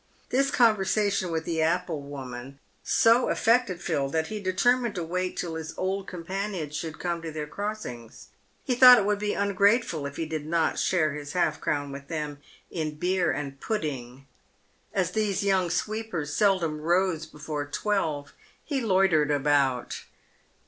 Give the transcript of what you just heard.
This conversation with the apple woman so affected Phil, that he determined to wait till his old companions should come to their crossings. He thought it would be ungrateful if he did not share his half crown][with them in beer and pudding. As these young sweepers seldom rose before twelve, he loitered about.